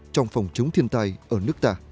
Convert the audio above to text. trong phòng chống thiên tài ở nước ta